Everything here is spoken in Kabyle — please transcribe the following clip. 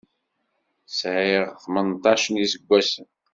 Sɛiɣ tmenṭac n yiseggasen.